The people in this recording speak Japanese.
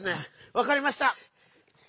わかりました！